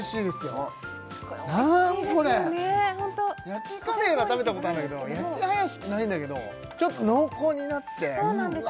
ホント何これ焼きカレーは食べたことあんだけど焼きハヤシないんだけどちょっと濃厚になってそうなんです